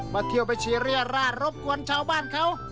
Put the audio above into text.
มาเที่ยวไปชรีเรือราดรบกวนชาวบ้านเขา